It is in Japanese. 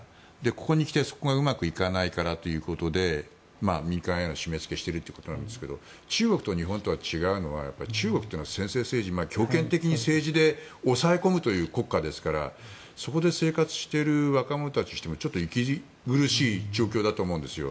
ここにきて、そこがうまくいかないからということで民間への締め付けをしているということですが中国と日本と違うのは中国は専制政治強権的に政治で抑え込むという国家ですからそこで生活している若者たちにしてみるとちょっと息苦しい状況だと思うんですよ。